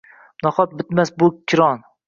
Nahot, bitmas bu kiron?